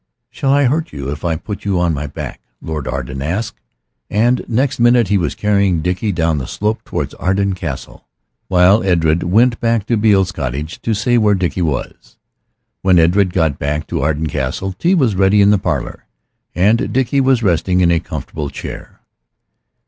"Shall I hurt you if I put you on my back?" Lord Arden asked, and next minute he was carrying Dickie down the slope towards Arden Castle, while Edred went back to Beale's cottage to say where Dickie was. When Edred got back to Arden Castle tea was ready in the parlor, and Dickie was resting in a comfortable chair.